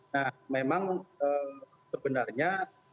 nah memang sebenarnya